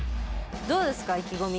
どうですか意気込み。